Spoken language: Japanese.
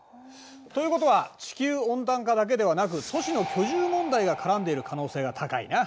ということは地球温暖化だけではなく都市の居住問題が絡んでいる可能性が高いな。